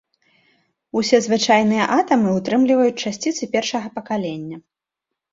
Усе звычайныя атамы ўтрымліваюць часціцы першага пакалення.